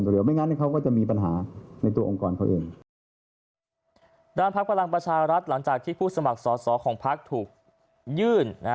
ด้านภักดิ์ฝรั่งประชารัฐหลังจากที่ผู้สมัครสอสอของภักดิ์ถูกยื่น